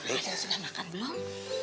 aden sudah makan belum